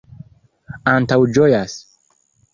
antaŭĝojas